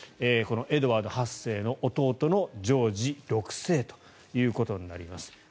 エドワード８世の弟のジョージ６世ということになります。